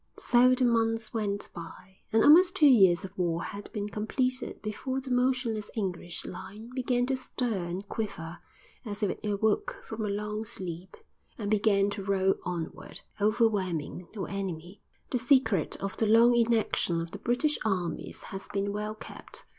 So the months went by, and almost two years of war had been completed before the motionless English line began to stir and quiver as if it awoke from a long sleep, and began to roll onward, overwhelming the enemy. The secret of the long inaction of the British Armies has been well kept.